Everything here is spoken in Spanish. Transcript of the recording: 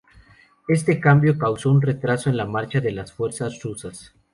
Este cambio causó un retraso en la marcha de las fuerzas rusas.